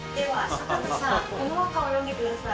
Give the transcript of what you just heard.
坂田さんこの和歌を読んでください